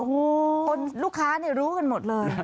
โอ้โหคนลูกค้ารู้กันหมดเลย